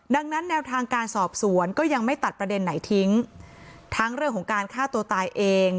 ดังนั้นแนวทางการสอบสวนก็ยังไม่ตัดประเด็นไหนทิ้งทั้งเรื่องของการฆ่าตัวตายเอง